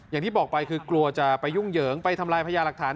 อย่างที่บอกไปคือกลัวจะไปยุ่งเหยิงไปทำลายพญาหลักฐาน